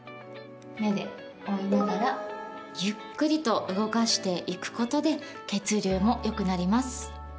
目で追いながらゆっくりと動かしていくことで血流も良くなります。